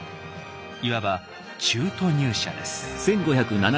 いわば中途入社です。